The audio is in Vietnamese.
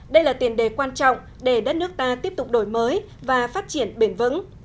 đây là tiền đề quan trọng để đất nước ta tiếp tục đổi mới và phát triển bền vững